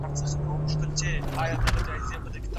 ایا بهرني سوداګر جلغوزي پروسس کوي؟